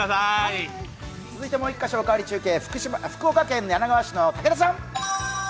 もう１カ所「おかわり中継」、福岡県柳川市の武田さん。